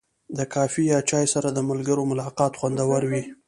د کافي یا چای سره د ملګرو ملاقات خوندور وي.